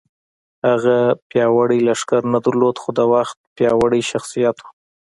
هغه پیاوړی لښکر نه درلود خو د وخت پیاوړی شخصیت و